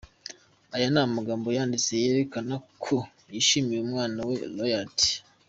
aya namagambo yanditse yerekana ko yishimiye umwana we Royalty.